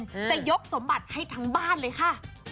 จะยกสมบัติให้ทั้งบ้านเลยค่ะ